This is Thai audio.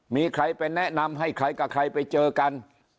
มีใครไปแนะนำให้ใครกับใครไปเจอกัน